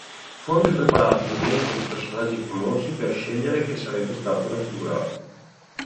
Fu anche preparato un elenco di personaggi famosi per scegliere che sarebbe stato raffigurato.